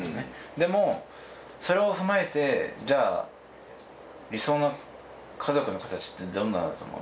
でもそれを踏まえてじゃあ理想の家族の形ってどんなだと思う？